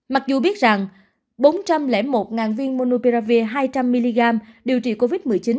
mặc dù biết rằng bốn trăm linh một viên monopia hai trăm linh mg điều trị covid một mươi chín